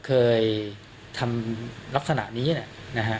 เคยทำลักษณะนี้เนี่ยนะฮะ